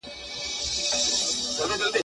وزیران وه که قاضیان د ده خپلوان وه.